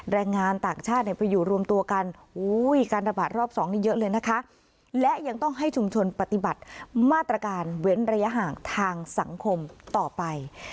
รังงานต่างชาติประโยครอบ๒เยอะเลยนะคะและยังต้องให้ชุมชนปฏิบัติมาตรการเว้นระยะห่างทางสังคมต่อไป